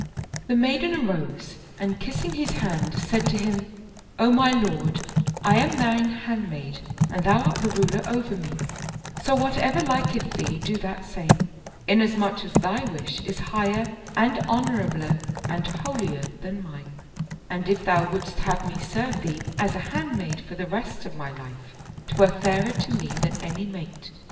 The maiden arose and kissing his hand, said to him, " O my lord, I am thine hand maid and thou art the ruler over me; so whatever liketh thee do that same, inasmuch as thy wish is higher and honorabler and holier than mine, and if thou wouldst have me serve thee as a hand maid for the rest of my life, 'twere fairer to me than any mate."